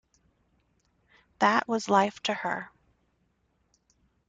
That was life to her.